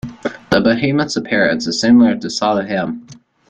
The Behemoth's appearance is similar to Sadu-Hem.